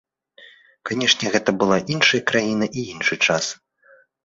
Канешне, гэта была іншая краіна і іншы час.